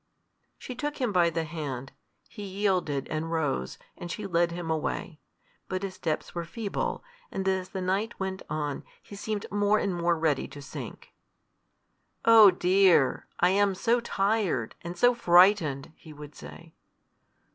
She took him by the hand. He yielded and rose, and she led him away. But his steps were feeble, and as the night went on, he seemed more and more ready to sink. "Oh dear! I am so tired! and so frightened!" he would say.